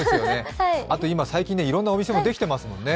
あと今、最近、いろんなお店もできていますもんね。